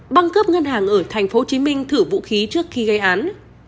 băng cướp ngân hàng ở tp hcm thử vũ khí trước khi gây án